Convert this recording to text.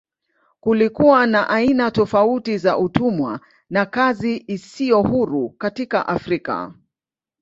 Kulikuwa na aina tofauti za utumwa na kazi isiyo huru katika Afrika.